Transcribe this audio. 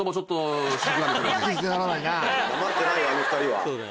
あの２人は。